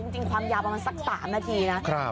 ความยาวประมาณสัก๓นาทีนะ